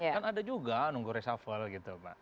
kan ada juga nunggu resafal gitu